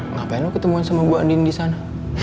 ngapain lo ketemuan sama gue andi disana